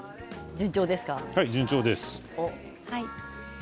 順調です。